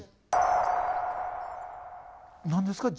何ですか？